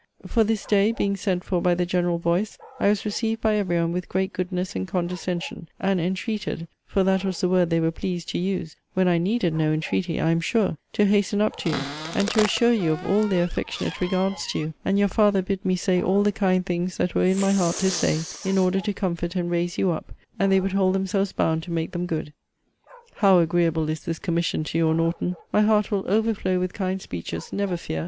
For this day, being sent for by the general voice, I was received by every one with great goodness and condescension, and entreated (for that was the word they were pleased to use, when I needed no entreaty, I am sure,) to hasten up to you, and to assure you of all their affectionate regards to you: and your father bid me say all the kind things that were in my heart to say, in order to comfort and raise you up, and they would hold themselves bound to make them good. How agreeable is this commission to your Norton! My heart will overflow with kind speeches, never fear!